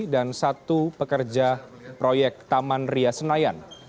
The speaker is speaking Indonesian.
dan satu pekerja proyek taman ria senayan